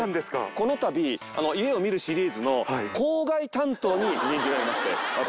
このたび、家を見るシリーズの郊外担当に任じられまして、私。